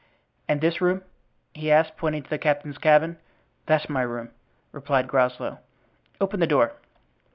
"And this room?" he asked, pointing to the captain's cabin. "That's my room," replied Groslow. "Open the door."